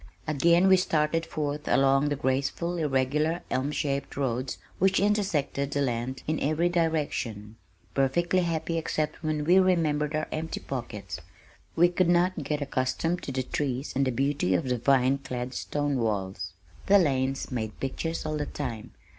Again we started forth along the graceful, irregular, elm shaded roads, which intersected the land in every direction, perfectly happy except when we remembered our empty pockets. We could not get accustomed to the trees and the beauty of the vineclad stone walls. The lanes made pictures all the time.